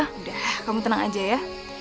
udah kamu tenang aja ya